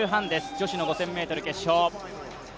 女子の５０００ｍ決勝。